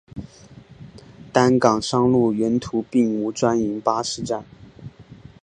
担杆山路沿途并无专营巴士站。